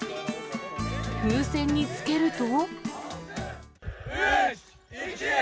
風船につけると。